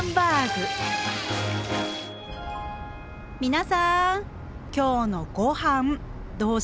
皆さん今日のごはんどうします？